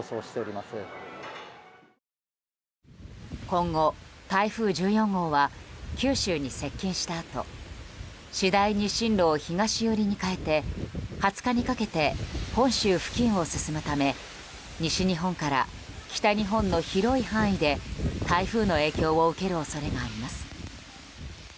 今後台風１４号は九州に接近したあと次第に進路を東寄りに変えて２０日にかけて本州付近を進むため西日本から北日本の広い範囲で台風の影響を受ける恐れがあります。